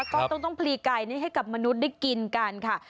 ก็ต้องพลีไก่นี้ให้กับมนุษย์ได้กินกันค่ะ